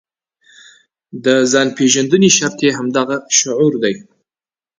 د ځان پېژندنې شرط یې همدغه شعور دی.